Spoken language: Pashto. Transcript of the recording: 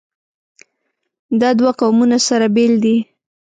دا دوه قومونه سره بېل دي.